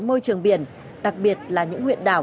môi trường biển đặc biệt là những huyện đảo